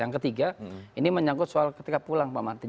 yang ketiga ini menyangkut soal ketika pulang pak martin